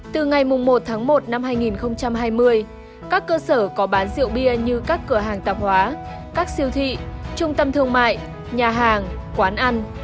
từ ngày một tháng một năm hai nghìn hai mươi các cơ sở có bán rượu bia như các cửa hàng tạp hóa các siêu thị trung tâm thương mại nhà hàng quán ăn